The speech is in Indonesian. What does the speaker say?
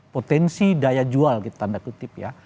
potensi daya jual tanda kutip ya